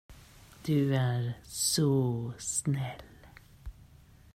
Du är så snäll.